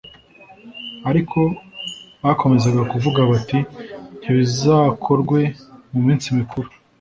ariko bakomezaga kuvuga bati ntibizakorwe mu minsi mikuru